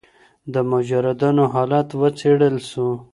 د مجردانو حالت وڅیړل سو.